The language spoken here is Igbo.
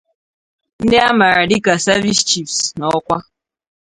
ndị a maara dịka 'Service Chiefs' n'ọkwa